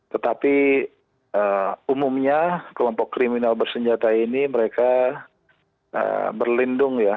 tetapi umumnya kelompok kriminal bersenjata ini mereka berlindung ya